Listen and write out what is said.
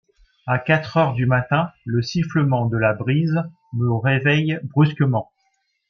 À quatre heures du matin, le sifflement de la brise me réveille brusquement.